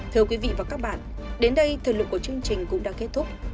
thưa quý vị và các bạn đến đây thời lượng của chương trình cũng đã kết thúc